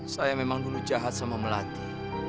saya memang dulu jahat sama melati